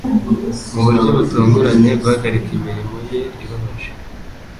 mu buryo butunguranye guhagarika imirimo ye ibabaje